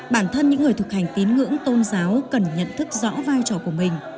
bản thân những người thực hành tín ngưỡng tôn giáo cần nhận thức rõ vai trò của mình